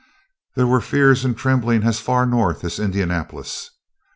There were fears and trembling as far north as Indianapolis.